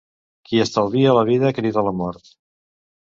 Qui estalvia la vida crida la mort.